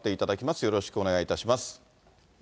よろしくお願いします。